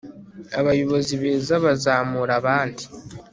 abayobozi beza bazamura abandi